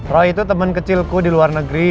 roy itu teman kecilku di luar negeri